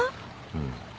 うん。